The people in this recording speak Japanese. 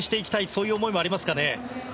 そんな思いもありますかね。